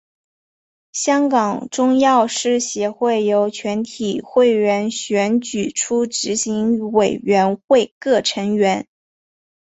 香港中药师协会由全体会员选举出执行委员会各成员。